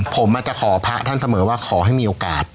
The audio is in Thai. ผมจะขอพระท่านเสมอว่าขอให้มีโอกาส